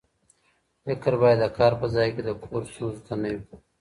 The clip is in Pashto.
فکر باید د کار په ځای کې د کور ستونزو ته نه وي.